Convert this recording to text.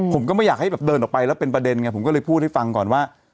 ผมก็ไม่อยากให้แบบเดินออกไปแล้วเป็นประเด็นไงผมก็เลยพูดให้ฟังก่อนว่า